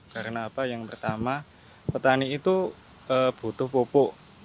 karena apa yang pertama petani itu butuh pupuk